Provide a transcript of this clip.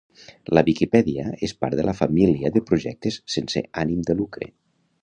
La Viquipèdia és part de la família de projectes sense ànim de lucre.